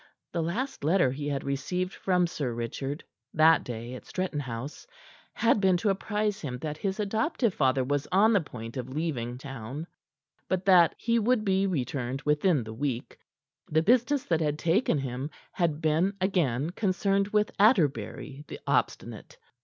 The last letter he had received from Sir Richard that day at Stretton House had been to apprise him that his adoptive father was on the point of leaving town but that he would be returned within the week. The business that had taken him had been again concerned with Atterbury the obstinate.